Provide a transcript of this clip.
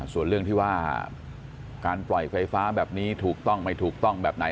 ส่วนเรื่องที่ว่าการปล่อยไฟฟ้าแบบนี้ถูกต้องไม่ถูกต้องแบบไหน